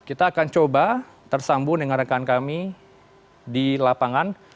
kita akan coba tersambung dengan rekan kami di lapangan